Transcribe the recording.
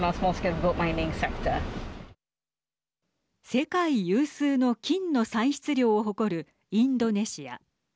世界有数の金の産出量を誇るインドネシア。